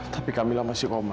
tapi kamila masih koma